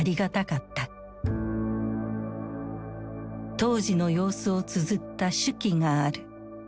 当時の様子をつづった手記がある。